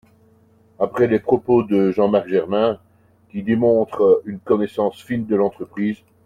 Après les propos de Jean-Marc Germain, Qui démontrent une connaissance fine de l’entreprise